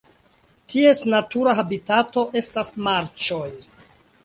Ties natura habitato estas marĉoj.